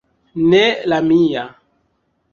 Ne la mia...